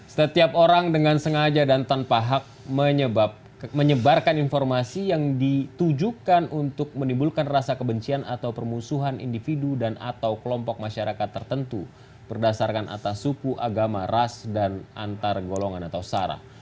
setiap orang dengan sengaja dan tanpa hak menyebarkan informasi yang ditujukan untuk menimbulkan rasa kebencian atau permusuhan individu dan atau kelompok masyarakat tertentu berdasarkan atas suku agama ras dan antar golongan atau sarah